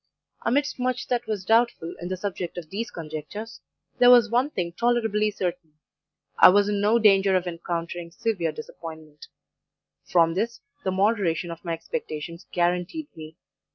Amidst much that was doubtful in the subject of these conjectures, there was one thing tolerably certain I was in no danger of encountering severe disappointment; from this, the moderation of my expectations guaranteed me.